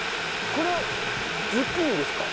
これズッキーニですか？